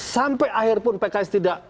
sampai akhir pun pks tidak